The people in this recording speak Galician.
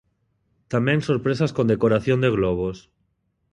Tamén sorpresas con decoración de globos.